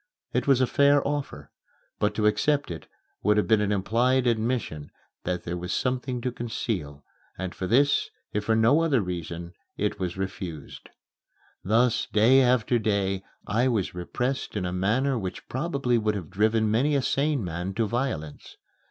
It was a fair offer; but to accept it would have been an implied admission that there was something to conceal, and for this, if for no other reason, it was refused. Thus, day after day, I was repressed in a manner which probably would have driven many a sane man to violence.